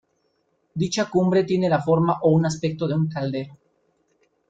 Dicha cumbre tiene la forma o un aspecto de un caldero.